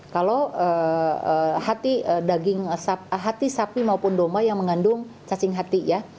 kalau hati sapi maupun domba yang mengandung cacing hati ya